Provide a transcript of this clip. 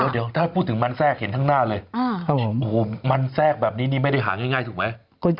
เดี๋ยวถ้าพูดถึงมันแทรกเห็นข้างหน้าเลยครับผมโอ้โหมันแทรกแบบนี้นี่ไม่ได้หาง่ายถูกไหม